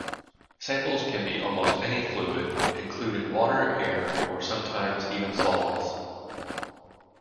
Samples can be almost any fluid including water, air or sometimes even solvents.